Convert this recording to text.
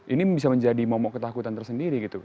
ini bisa menjadi momok ketakutan tersendiri gitu